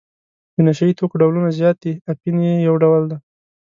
د نشه یي توکو ډولونه زیات دي اپین یې یو ډول دی.